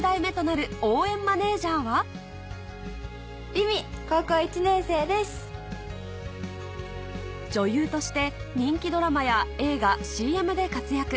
続いて今大会で女優として人気ドラマや映画ＣＭで活躍